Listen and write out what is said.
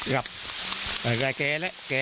รับสบายละไง